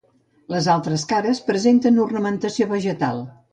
Les altres cares presenten ornamentació vegetal.